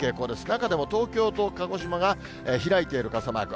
中でも東京と鹿児島が開いている傘マーク。